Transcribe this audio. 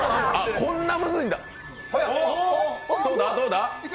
こんなムズいんだ。